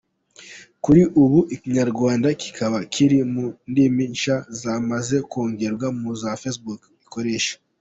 Kuri ubu ikinyarwanda kikaba kiri mu ndimi nshya zamaze kongerwa muzo Facebook ikoresha.